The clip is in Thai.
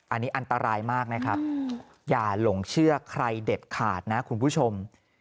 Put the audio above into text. อันนี้อันตรายมากนะครับอย่าหลงเชื่อใครเด็ดขาดนะคุณผู้ชม